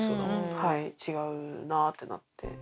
はい、違うなってなって。